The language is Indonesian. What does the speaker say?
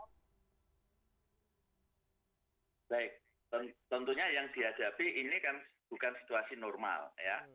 baik tentunya yang dihadapi ini kan bukan situasi normal ya